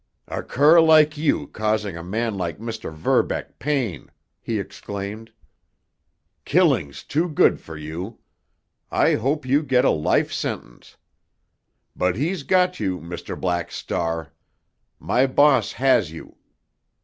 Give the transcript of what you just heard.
"A cur like you causing a man like Mr. Verbeck pain!" he exclaimed. "Killing's too good for you! I hope you get a life sentence. But he's got you, Mr. Black Star! My boss has you!